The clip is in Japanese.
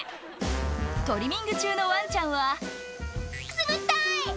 トリミング中のワンちゃんは「くすぐったい！」